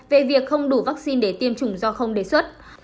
về việc không đủ vaccine để tiêm chủng do không đề xuất